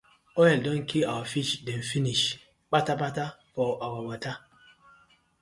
Oil don kii our fish dem finish kpatakpata for our wata.